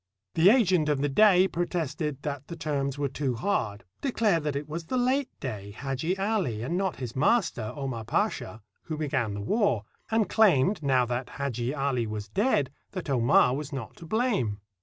The agent of the Dey protested that the terms were too hard; declared that it was the late Dey, Hadji Ali, and not his master, Omar Pasha, who began the war; and claimed, now that Hadji Ah was dead, that Omar was not to blame.